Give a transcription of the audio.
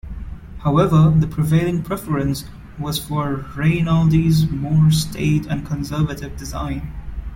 However, the prevailing preference was for Rainaldi's more staid and conservative design.